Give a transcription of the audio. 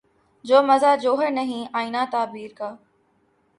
جو مزہ جوہر نہیں آئینۂ تعبیر کا